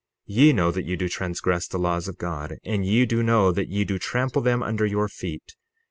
60:33 Ye know that ye do transgress the laws of God, and ye do know that ye do trample them under your feet.